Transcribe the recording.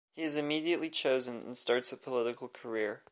He is immediately chosen and starts a political career.